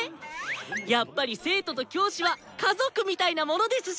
やっぱり生徒と教師は家族みたいなものですし！